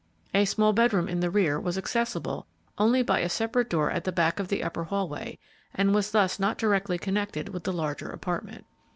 A small bedroom in the rear was accessible only by a separate door at the back of the upper hallway, and was thus not directly connected with the larger apartment.